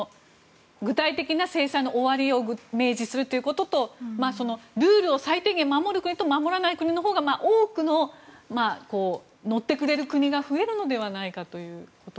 具体的な制裁の終わりを明示するということとルールを最低限守る国と守らない国とすると乗ってくれる国が増えるのではないかと。